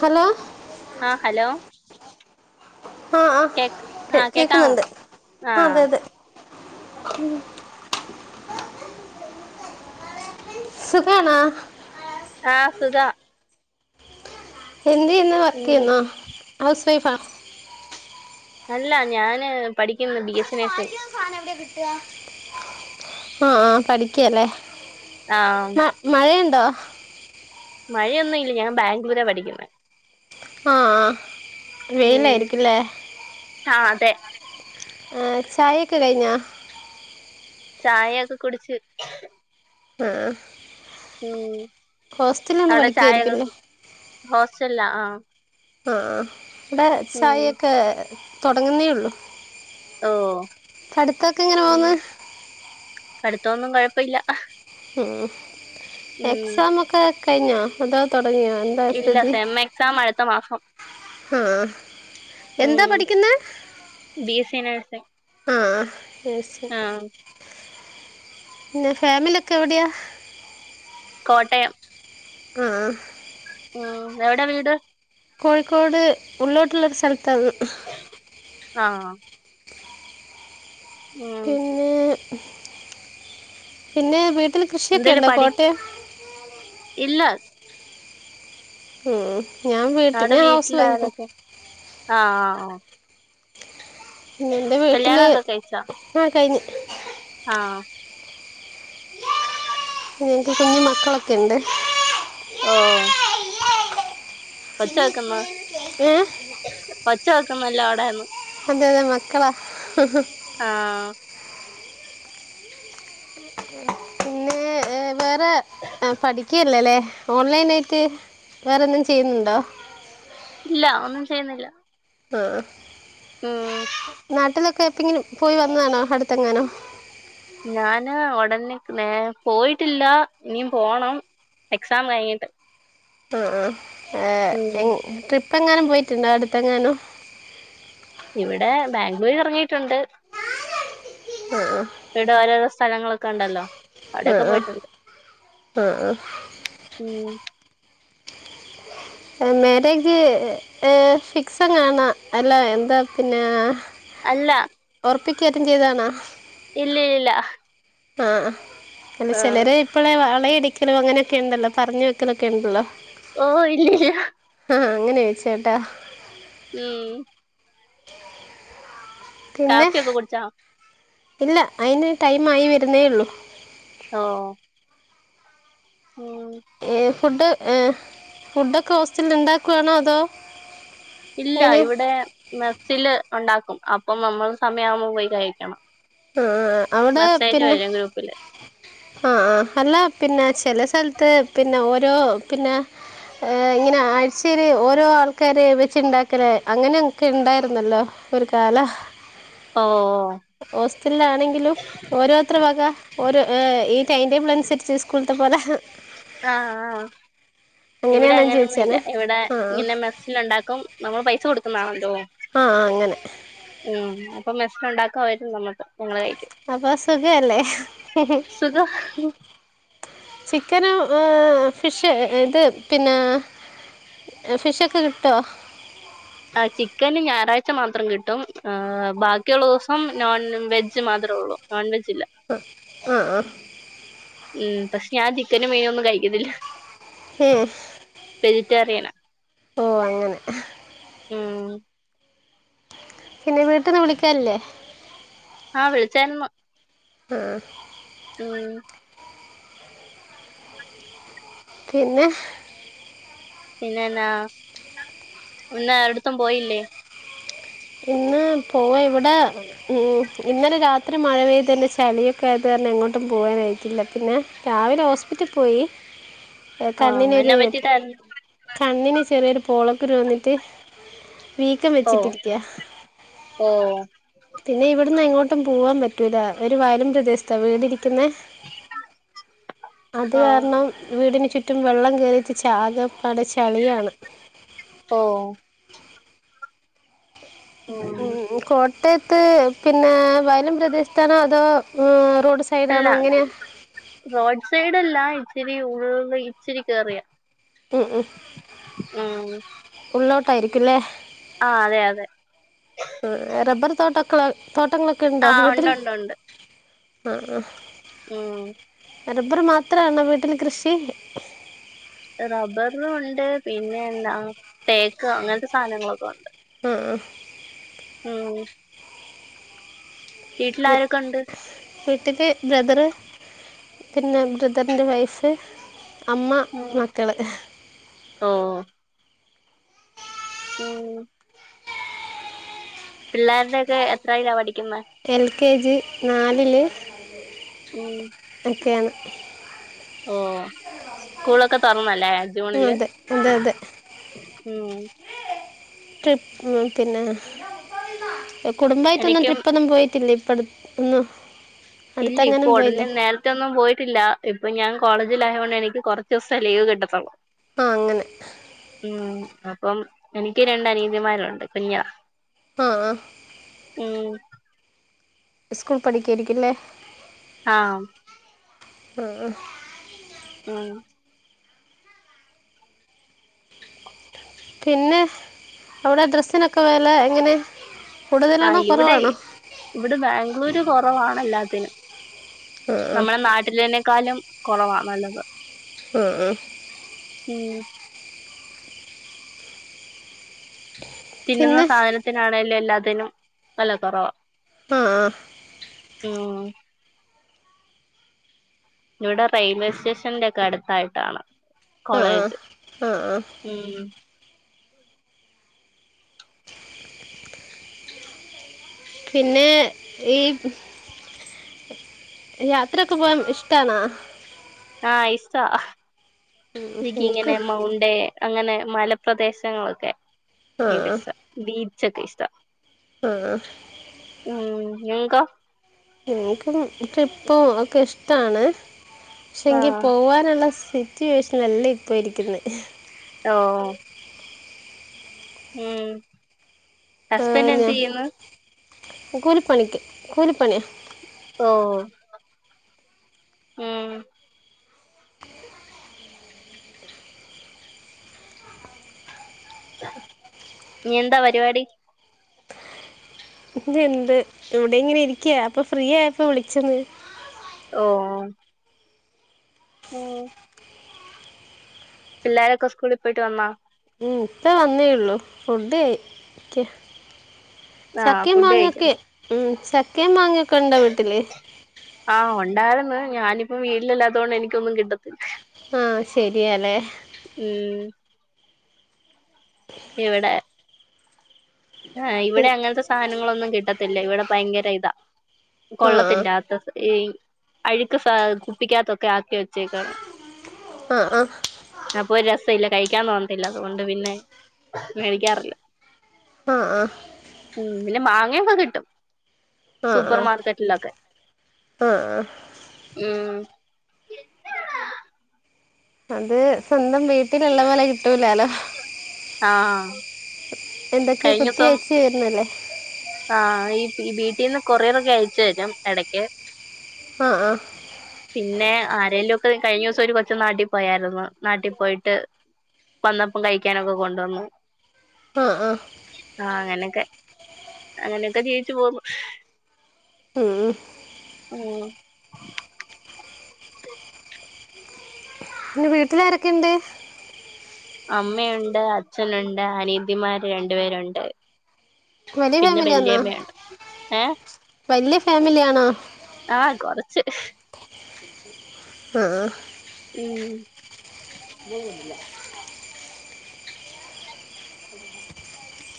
Hello? ആഹ് hello? ആ ആ കേക്ക് കേ ആഹ് കേക്കാമൊ കേൾക്കുന്നുണ്ട് ആ അതെ ആഹ് അതെ ഉം സുഖാണാ ആഹ് സുഖാ എന്തേരന്നു വർക്ക് ഉം അഹ് ഹൗസ് വൈഫാ അല്ല ഞാന് പഠിക്കുന്നു ബി എസ് സി നഴ്സ് ആഹ ആഹ പഠിക്കാല്ലേ ആ അ മഴയ്ണ്ടോ മഴയൊന്നും ഇല്ല ഞാൻ ബാംഗ്ലൂരാ പഠിക്കുന്നത് ആഹ വെയിലായിരിക്കുല്ലേ ആഹ് അതെ ആഹ് ചായൊക്കെ കയിഞ്ഞോ ചായയൊക്കെ കുടിച്ച് [unintelligible] ഉം ഹോസ്റ്റലിൽ നിന്ന് അവിടെ ചായയൊക്കെ പഠിക്കുകയായിരിക്കില്ലേ കു ഹോസ്റ്റല്‌ലാ ആഹ് ആഹ് ഇവിടെ ഉം ചായ ഒക്കെ തുടങ്ങുന്നേള്ളു ഓ എങ്ങനെ ഉ പോകുന്നു പടുത്തൊന്നും കൊഴപ്പല്ല ഉം എക്സാമൊക്കെ കഴിഞാ അതോ തൊ [unintelligible] എന്തായ ഇല്ല സ്ഥിതി സെം [unintelligible] മാസം ആഹ് എന്താ പഠിക്കുന്നെ ഫിനാൻസ് ആ എന്ന ശരി പിന്നെ ഫാമിലി ഒക്കെ എവിടെയാ കോട്ടയം ആഹ് ഉം എവിടാ വീട് കോഴിക്കോട് ഉള്ളിലോട്ടുള്ള സ്ഥലത്താണ് ആ ആഹ പിന്നെ പിന്നെ വീ- ഇതിൽ കൃഷിയൊക്കെ എന്തേലും ഉണ്ടോ പഠി കോട്ടയ- ഇല്ല മ് ഞാൻ വീട്ടൽ അവിടെ ഞാൻ ഹൗസ് വൈഫ് ആ വീട്ടിലാരൊക്കെ ആഹ് ആ ആ എന്റെ വീട്ടില് ആ കഴിഞ്ഞ് ആ എനിക്കൊക്കെ ആണെങ്കിൽ മക്കളൊക്കെ ഉണ്ട് ഓഹ് ഒച്ചകേക്ക്ന്ന് ഏ ഒച്ച കേക്കുന്നല്ലോ അവിടേന്ന് അതെതെ മക്കളാ [unintelligible] ആഹ് പിന്നെ വേറെ ആ പഠിക്കെയെല്ലെലേ? ഓൺലൈനായിട്ട് വേറെന്തേം ചെയ്യുന്നുണ്ടോ ഇല്ല ഒന്നും ചെയ്യുന്നില്ല ആഹ് മ് ഇപ്പേപ്പിങ്ങിനും പോയി വന്നതാണോ അടുത്തെങ്ങാനും ഞാന് ഉടനെ പോയിട്ടില്ല ഇനിയും പോണം എക്സാം കഴിഞ്ഞിട്ട് ആഹ് ആഹ് ഉം ഏഹ് എങ് ട്രിപ്പ് ഇപ്പെങ്ങാനും പോയിട്ടുണ്ടോ അടുത്തെങ്ങാനും ഇവിടെ ബാംഗ്ലൂര് കറങ്ങീയിട്ടുണ്ട് ഇവടോരോരോ സ്ഥലങ്ങളൊക്ക്ണ്ടല്ലോ ആ അവിടെയൊക്കെ ആ പോയിട്ടുണ്ട് ആ ഉം മേരേജ് ഏഹ് ഫിക്സടാണോ അല്ലേ എന്താപിന്നെ അല്ല ഒറപ്പിക്കേമറ്റേം ചെയ്താണാ ഇല്ലയില്ല ആഹ് അല്ല ചെലരെയിപ്പളെ വ വളയിടിക്കലും അങ്ങനെയൊക്കെയ്ണ്ടല്ലോ പറഞ്ഞു വെക്കലൊക്കെയ്ണ്ടല്ലോ ഓ ഇല്ലില്ല ആഹ് അങ്ങനെയോയിച്ചേട്ടാ ഉം പിന്നെ കാപ്പിയൊക്കെ കുടിച്ചോ ഇല്ല അയിന് ടൈമായി വെരുന്നേയൊള്ളു ഓഹ് ഉം ഏഹ് ഫുഡ് ഫുഡൊക്കെ ഹോസ്റ്റലില്ണ്ടാക്കുവാണോ അതോ ഇല്ല ഇങ്ങനെ ഇവിടെ മെസ്സില് ഉണ്ടാക്കും അപ്പം നമ്മള് സമയമാവുമ്പൊ പോയി കഴിക്കണം ആഹ് അവിടെ മെസ്സേജ് പിന്നെ വരും ഗ്രൂപ്പില് ആഹ് ആഹ് അല്ല പിന്നെ ചെല സ്ഥലത്ത് പിന്നെ ഓരോ പിന്നെ ഇങ്ങനെ ആഴ്ചേല് ഓരോ ആൾക്കാര് വെച്ച്ണ്ടാക്കല് അങ്ങനെയെക്കെണ്ടാര്ന്നല്ലോ? ഒരു കാല ഓഓഓ ഹോസ്റ്റലിലാണെങ്കിലും ഓരോത്തര് വക ഓരോ ടൈം ടേബിളനുസര്ച്ച് സ്‌കൂൾത്തെ പോലെ ആഹ് ആഹ് അങ്ങനെയാണോ എന്ന് ഇവിടങ്ങനൊന്നുഇല്ല ചോദിച്ചാണ് ഇവിടെ ആ ഇങ്ങനെ മെസ്സില്ണ്ടാക്കും നമ്മൾ പൈസ കൊടുക്കുന്നാണല്ലോ ആഹ് ആ അങ്ങനെ പ്പം മെസ്സ്ല്ണ്ടാക്കും അവരും നമ്മക്കും അപ്പ സുഖവല്ലേ സുഖ ചിക്കനും ഫിഷ് ഇത് പിന്നെ ഫിഷൊക്കെ കിട്ടോ ആഹ് ചിക്കന് ഞായറാഴ്ച മാത്രം കിട്ടും ബാക്കിയുള്ള ദിവസം നോൺ വെജ് മാ മാത്രൊള്ളു നോൺവെജില്ല ആഹ് ആഹ് ഉം പഷേ ഞാൻ ചിക്കനും മീനൊന്നും കഴിക്കത്തില്ല ഏ വെജിറ്റേറിയന. ഓ അങ്ങനെ ഉം. പിന്നെ വീട്ടിന്ന് വിളിക്കാൽല്ലേ ആഹ് വിളിചാര്ന്നു.. ആഹ് ഉം പോവാ പിന്നെന്നാ ഇന്നാരടുത്തും പോയില്ലേ ഇന്ന് പോയി ഇവിടെ ഉം ഇന്നലെ രാത്രി മഴ പെയ്തേന്റെ ചളിയൊക്കെ ആയത് പിന്നെ എങ്ങട്ടും പോകാനായിട്ടില്ല പിന്നെ രാവിലെ ഹോസ്പിറ്റൽ പോയി എഹ് ആഹ് എന്നാ കണ്ണിനൊരു പറ്റിട്ടായിരുന്നു കണ്ണിന് ചെറിയൊരു പോളക്കുരു വന്നിട്ട് വീക്കം ഓ വെച്ചിട്ടിരിക്കയാ ഓ പിന്നെ ഇവിടുന്നെ എങ്ങോട്ടും പോവാൻ പറ്റൂല ഒരു വയലിന്റെ ദേശത്താ വീടിരി ക്കുന്നെ അതു ആഹ് കാരണം വീടിന് ചുറ്റും വെള്ളം കേറിയിട്ട് ചാകപ്പാടെ ചളിയാണ് ഓഹ് ഉം കോട് യത്ത് പിന്നെ വയലും പ്രദേശത്താണോ അതോ [unintelligible] അല്ല അങ്ങനെ റോഡ് സൈഡല്ല ഇച്ചിരി ഉള്ള് ഇച്ചിരി കേറിയ ഉം ഉം ഉം ഉള്ളോട്ടായിരിക്കുംല്ലേ ആഹ് അതെ അതെ ഉം റബ്ബർ തോട്ടൊക്കെ തോട്ടങ്ങളൊക്കെണ്ടോ ആഹ് വീട്ടിൽ ഉണ്ട് ഉണ്ട് ഉണ്ട് ആഹ് ആഹ് ഉം റബ്ബർ മാത്രാണോ വീട്ടില് കൃഷി? റബ്ബറിലും ഉണ്ട് പിന്നെ എന്താ തേക്ക് അങ്ങൻത്തെ സാനങ്ങളൊക്കെ ഉണ്ട് ഉം ഉം ഉം വീട്ടിൽ ആരൊക്കെണ്ട്? വീട്ടില് ബ്രദറ് പിന്നെ ബ്രദറിന്റെ വൈഫ് അമ്മ ഉം മക്കള് ഓ ഉം പിള്ളേരുടെക്കെ എത്രയിലാ പഠിക്കുന്നെ? എൽ കെ ജി നാലില് ഉം ഒക്കെയാണ്- ഓ സ്കൂളൊക്കെ തൊറന്നല്ലേ ജൂണില് അതെ അതെ അതെ ഉം- ട്രിപ്പും പിന്നെ കുടുംബായിട്ടൊന്നും എനിക്കും ട്രിപ്പൊന്നും പോയിട്ടില്ലേ? പഠിക്കുന്നു- ഇല്ലി ഇപ്പൊ ഒടനെ നേർത്തെയൊന്നും പോയിട്ടില്ല ഇപ്പൊ ഞാൻ- കോളേജിലായോണ്ട് എനിക്ക് കൊറച്ച് ദിവസേ ലീവ് കിട്ടത്തൊള്ളു ആ അങ്ങനെ ഉം- അപ്പം എനിക്ക് രണ്ട് അനിയത്തിമാര് ഉണ്ട് കുഞ്ഞാ- ആഹ് - ഉം- ഇസ്കൂൾ പഠിക്കയായിരിക്കും ഇല്ലേ? ആഹ് - ആഹ് - ആഹ് - പിന്നെ അവിടെ ഡ്രസ്സിനൊക്കെ വെല എങ്ങനെ? ആഹ് കൂടുതലാണോ ഇവിടെ കുറവാണോ ഇവിടെ ബാംഗ്ലൂര് കൊറവാണെല്ലാത്തിനും- ആ നമ്മടെ നാട്ടിലേനെക്കാലും കൊറവാ നല്ലത്- ആഹ് ആഹ് - മ് - തിന്നുന്ന പിന്നെ സാധനത്തിനാണേലും എല്ലാത്തിനും വെല കൊറവാ- ആഹ് - മ് - ഇവിടെ റെയിൽവേ സ്റ്റേഷന്റെക്കെ അടുത്തായിട്ടാണ്- ആ ആ കോളേജ് ആ ആ ഉം- പിന്നെ ഈ- യാത്രൊക്കെ പോവാൻ ഇഷ്ടാണാ- ആഹ് ഇഷ്ട അഹ് എനിക്ക് ഇങ്ങനെ മൗണ്ടേ അങ്ങനെ മലപ്രദേശങ്ങളൊക്കെ ആ എനിക്ക് ഇഷ്ട ആ ബീച്ച്ക്കെ ഇഷ്ട. ആഹ് മ് നിങ്ങക്കോ? എനിക്കും ട്രിപ്പു ഒക്കെ ഇഷ്ടാണ്. പക്ഷെ, എനിക്ക് ആഹ് പോവാനുള്ള സ് സിറ്റുവേഷൻ അല്ല ഇപ്പൊ ഇരിക്കുന്നെ. ഓഹ് ഓഹ് മ് ഹസ്ബന്റ് ഞാൻ എന്ത്യ്യുന്നു? കൂലിപ്പണിക്ക് കൂലിപ്പണിയ ഓഹ് ഏഹ് ഇനി എന്താ പരിവാടി? ഇവ്ടെ ഇണ്ട് ഇവിടെ ഇങ്ങനെ ഇരിക്ക. അപ്പൊ ഫ്രീ ആയപ്പോ വിളിച്ചന്ന് ഓഹ് ഉം പിള്ളോരൊക്കെ സ്കൂളിൽ പോയിട്ട് വന്നോ ഇപ്പം വന്നേള്ളൂ ഫുഡ്കയ്ക്ക ആഹ് ചക്കെ ഫുഡ് മാങ്ങക്കെ കഴിക്കുന്നു ഉം ചക്കെ മാങ്ങ ആഹ് ഉണ്ടായിരുന്നു ഞാനിപ്പോ വീട്ടിലല്ലാത കൊണ്ട് എനിക്കൊന്നും കിട്ടത്തി ആഹ് ശരിയാല്ലേ ഉം ഇവിടെ ആ ഇവിടെ അങ്ങനത്തെ സാധനങ്ങളൊന്നും കിട്ടത്തില്ല ഇവിടെ ഭയങ്കര ഇതാ ആഹ് കൊള്ളത്തില്ലാത്ത ഈ അഴുക്ക് സ കുപ്പിക്കാത്തൊക്കെ ആക്കി വെച്ചേക്കാണ് ആഹ് ആഹ് അപ്പോ രസം ഇല്ല കഴിക്ക കഴിക്കാൻ തോന്നത്തില്ല അതുകൊണ്ട് പിന്നെ മേടിക്കാറില്ല ആഹ് ആ ല് മാങ്ങയക്കൊ കിട്ടും ആഹ് ആഹ് സൂപ്പർ ആഹ് മാർക്കറ്റിലൊക്കെ ആഹ് ഉം എന്നാടാ അത് സ്വന്തം വീട്ടിലുള്ള പോലെ കിട്ടൂലാലോ ആഹ് എന്തൊക്കെയോ കഴിഞ്ഞസം കുത്തിവെച്ചു വരണല്ലേ ആഹ് ഈ വീട്ടിൽന്ന് കൊറിയറൊയൊക്കെ അയച്ചു തരും ഇടക്ക് ആഹ് ആഹ് പിന്നെ ആരെങ്കലും ഒക്കെ കഴിഞ്ഞ ദിവസം ഒരു കൊച്ച് നാട്ടിൽ പോയാരുന്നു നാട്ടിൽ പോയിട്ട് വന്നപ്പം കഴിക്കാനൊക്കെ കൊണ്ടുവന്നു ആഹ് ആഹ് ആഹ് അങ്ങനെയൊക്കെ അങ്ങനെയൊക്കെ ജീവിച്ചു പോന്നു ഉം ഉം ഉം പിന്നെ വീട്ടിലാരൊക്കെയുണ്ട് അമ്മയുണ്ട് അച്ഛനുണ്ട് അനിയത്തിമാർ രണ്ടു പേരുണ്ട് വലിയ ഫാമിലിയന്നാ ഏഹ് വലിയ ഫാമിലി ആണോ ആഹ് കൊറച്ച് ആഹ് ആ ഉം [unintelligible]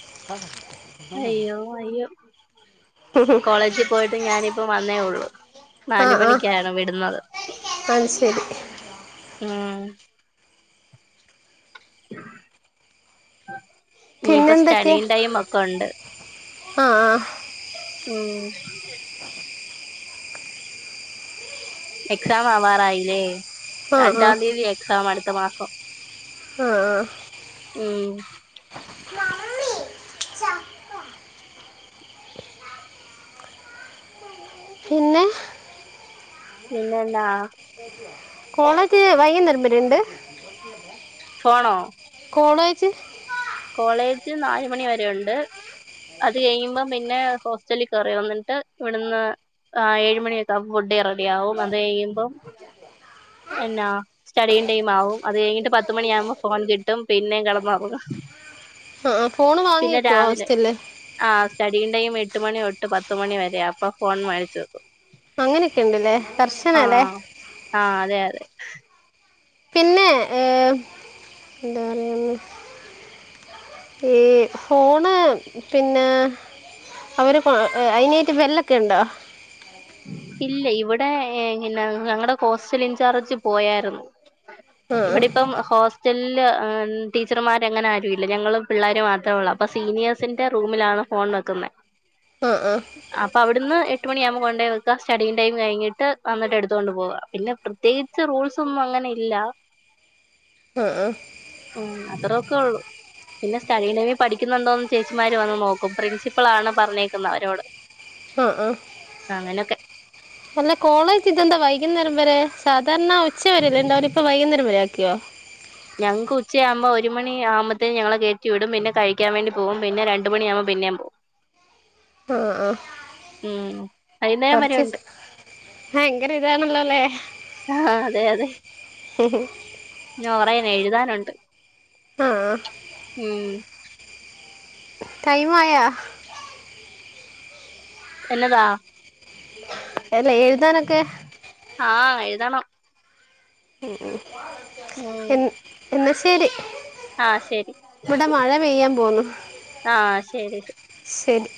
[unintelligible] അയ്യോ അയ്യോ കോളേജി പോയിട്ട് ഞാനിപ്പോ വന്നേ ഉള്ളൂ നാല് ആഹ് ആഹ് മണിക്കാണ് വിടുന്നത് അത് ശരി ഉം ഇനിയിപ്പൊ പിന്നെന്തൊക്കെയാ സ്റ്റഡിയിങ് ടൈം ഒക്കെ ഒണ്ട് ആഹ് ആഹ് ഉം എക്സാം ആവാറായില്ലേ ആഹ് ആഹ് രണ്ടാം തീയതി എക്സാം അടു ത്ത മാസം ആഹ് ആഹ് ഉം പിന്നെ പിന്നെന്നാ കോളേജ് വൈകുന്നരം വരെണ്ട് ഫോണോ കോളേജ് കോളേജ് നാല് മണി വരെ ഒണ്ട് അത് കഴിയുമ്പം പിന്നെ ഹോസ്റ്റലി കയറി വന്നിട്ട് ഇവിടുന്ന് ആ ഏഴുമണിയൊക്കെ ആവുമ്പോഫുഡി റെഡിയാവും അത് കഴിയുമ്പം എന്നാ സ്റ്റഡിയിങ് ടൈം ആവും അത് കഴിഞ്ഞിട്ട് പത്തുമണിയാവുമ്പോ ഫോൺ കിട്ടും പിന്നേം കിടന്നൊറങ്ങും. ആഹ് ആഹ് ഫോണ് വാങ്ങി വെക്കുവോ ഹോസ്റ്റൽല്. സ്റ്റഡിയിംഗ്‌ ടൈം എട്ട് മണിതൊട്ട് പത്തുമണി വരെ. അപ്പ ഫോൺ മാങ്ങിച്ച് വെക്കും. അങ്ങനെക്കെ ഇണ്ട്ല്ലേ ആ കർശനാല്ലേ. ആ അതെ അതെ പിന്നെ ഏഹ് എന്താ പറയുന്നെ ഈ ഫോണ് പിന്നെ അവര് പ അയിനേറ്റ് വെല്ലൊക്കെ ഇണ്ടോ? ഇല്ല ഇവിടെ ഏഹ് ഇന്ന ഞങ്ങടെ ഹോസ്റ്റൽ ഇൻചാർജ് പോയാര്ന്നു. ആഹ് ഇവിടെ ഇപ്പം ഹോസ്റ്റൽല് ആം ടീച്ചർമാരങ്ങനെ ആരു ഇല്ല. ഞങ്ങള് പിള്ളേര് മാത്ര ഒള്ള. അപ്പ സീനിയേഴ്സിന്റെ റൂമിലാണ് ഫോൺ വെക്കുന്നേ. ആഹ് ആഹ് അപ്പൊ അവിടുന്ന് എട്ട് മണിയാവുമ്പോ കൊ ണ്ടോയി വെക്ക സ്റ്റഡീ ടൈം കഴിഞ്ഞിട്ട് വന്നിട്ട് എടുത്തുകൊണ്ട് പോകുവ പിന്നെ പ്രത്യേകിച്ച് റൂൾസ് ഒന്നും അങ്ങനെ ഇല്ല. ആ- ആഹ് ഉം അത്ര ഒക്കെ ഉള്ളു പിന്നെ സ്ഥഡിയിങ് ടൈമി പഠിക്കുന്നുണ്ടോന്ന് ചേച്ചിമാര് വന്ന് നോക്കും പ്രിൻസിപ്പളാണ് പറഞ്ഞേക്കുന്ന അവരോട് ആഹ് -ആഹ് അങ്ങനൊക്കെ അല്ല കോളേജ് ഇതെന്താ വൈകുന്നേരം വരെ സാധാരണ ഉച്ചവരല്ലേ ഉണ്ടാവല് അവര് ഇപ്പ വൈകുന്നേരം വരെ ആക് ക്കിയാ ഞങ്ങക്ക് ഉച്ച ആവുമ്പോ ഒരു മണി ആവുമ്പത്തേന് ഞങ്ങളെ കയറ്റി വിടും പിന്നെ കഴിക്കാൻ വേണ്ടി പോകും പിന്നെ രണ്ടു മണിയാവു പിന്നേം പോകും ആഹ് -ആഹ് ഉം വൈകുന്നേരം വരെ പഠിച്ചെച് ഉണ്ട് ഭങ്കര ഇതാണല്ലോല്ലേ ആഹ് അതെ അതെ പിന്നെ കൊറേനെഴുതാനുണ്ട് ആഹ് ഉം ടൈം ആയാ എന്നതാ അല്ല എഴുതാനൊക്കെ ആഹ് എഴുതണം ഉ ഉം ഉം എന്നാ ശരി ആഹ് ശരി ഇവിടൊ മഴ പെയ്യാൻ പോന്നു ആഹ് ശരി ശരി ശരി